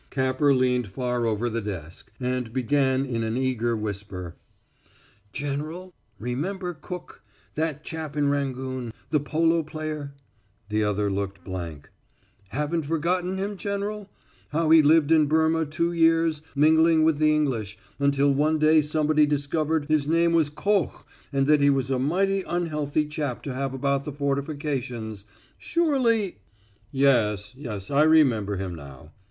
Capper leaned far over the desk, and began in an eager whisper: "General, remember Cook that chap in Rangoon the polo player?" The other looked blank. "Haven't forgotten him, General? How he lived in Burma two years, mingling with the English, until one day somebody discovered his name was Koch and that he was a mighty unhealthy chap to have about the fortifications. Surely " "Yes, I remember him now.